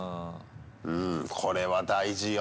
うんこれは大事よ。